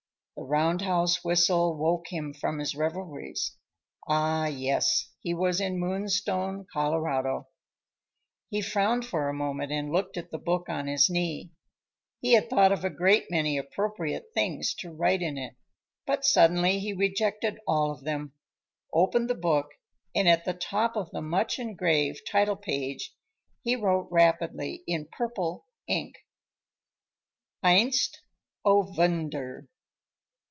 The roundhouse whistle woke him from his reveries. Ah, yes, he was in Moonstone, Colorado. He frowned for a moment and looked at the book on his knee. He had thought of a great many appropriate things to write in it, but suddenly he rejected all of them, opened the book, and at the top of the much engraved title page he wrote rapidly in purple ink:— Einst, O Wunder!